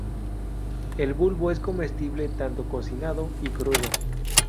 El bulbo es comestible tanto cocinado y crudo.